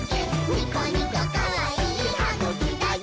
ニコニコかわいいはぐきだよ！」